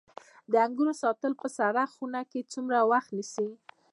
د انګورو ساتل په سړه خونه کې څومره وخت نیسي؟